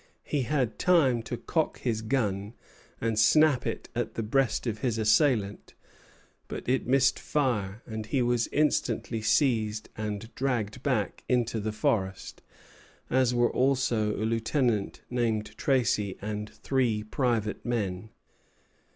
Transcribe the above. He had time to cock his gun and snap it at the breast of his assailant; but it missed fire, and he was instantly seized and dragged back into the forest, as were also a lieutenant named Tracy and three private men.